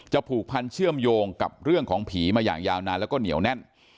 ผูกพันเชื่อมโยงกับเรื่องของผีมาอย่างยาวนานแล้วก็เหนียวแน่น